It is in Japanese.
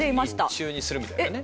日中にするみたいなね。